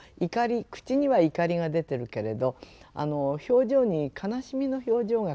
口には怒りが出てるけれど表情に悲しみの表情が感じられる。